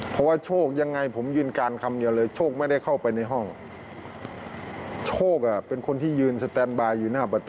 เพราะว่าโชคยังไงผมยืนการคำเหลือเลย